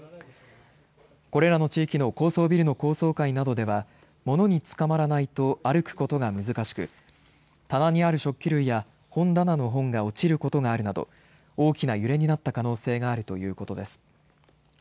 これらの地域の高層ビルの高層階などでは物につかまらないと歩くことが難しく棚ある食器類や本棚の本が落ちることがあるなど大きな揺れになった可能性があるということです。